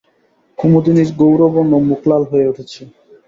কুমুদিনীর গৌরবর্ণ মুখ লাল হয়ে উঠেছে।